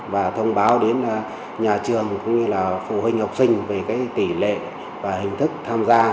và thông báo đến nhà trường cũng như là phụ huynh học sinh về tỷ lệ và hình thức tham gia